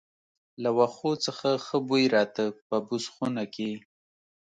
له وښو څخه ښه بوی راته، په بوس خونه کې.